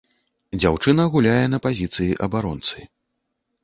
Дзяўчына гуляе на пазіцыі абаронцы.